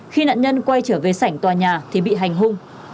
khi nạn nhân quay trở về sảnh tòa nhà thì bị hành hung